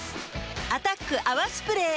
「アタック泡スプレー」